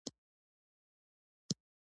د استاد خاطرې زموږ لپاره په زړه پورې او جالبې دي.